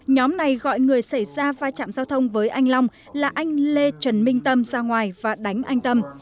nhóm này gọi người xảy ra vai trạm giao thông với anh long là anh lê trần minh tâm ra ngoài và đánh anh tâm